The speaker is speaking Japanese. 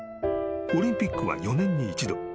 ［オリンピックは４年に一度。